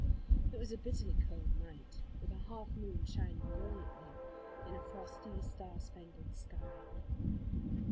It was a bitterly cold night, with a half moon shining brilliantly in a frosty, star spangled sky.